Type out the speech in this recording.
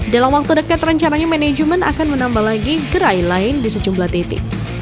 dalam waktu dekat rencananya manajemen akan menambah lagi gerai lain di sejumlah titik